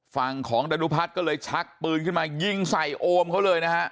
ฝั่งของดารุพัฒน์ก็เลยชักปืนขึ้นมายิงใส่โอมเขาเลยนะฮะ